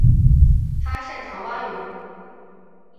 他擅长蛙泳。